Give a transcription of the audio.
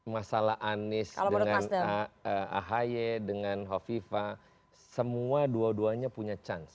masalah anies dengan ahy dengan hovifa semua dua duanya punya chance